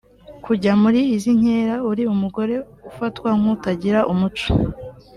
Kujya muri izi nkera uri umugore ufatwa nk’utagira umuco